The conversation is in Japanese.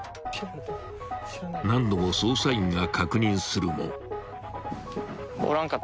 ［何度も捜査員が確認するも］